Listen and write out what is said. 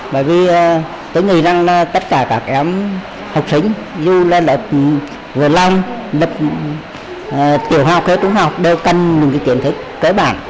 bởi vì tôi nghĩ rằng tất cả các học sinh dù là lớp vừa lăng lớp tiểu học hay trung học đều cần những kiến thức kế bản